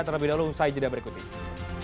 terlebih dahulu saya jeda berikutnya